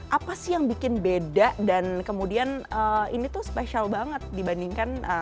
apa sih yang bikin beda dan kemudian ini tuh spesial banget dibandingkan